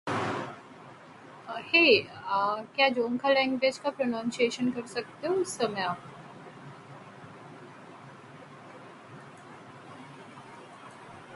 The condemnation came in the form of a 'C' rating.